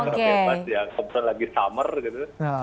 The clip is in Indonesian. mas yang kebun lagi summer gitu